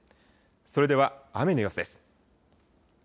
それでは雨の様子です。